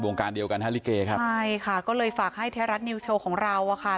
การเดียวกันฮะลิเกครับใช่ค่ะก็เลยฝากให้แท้รัฐนิวโชว์ของเราอ่ะค่ะ